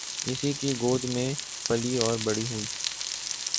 اسی کی گود میں پلی اور بڑی ہوئی۔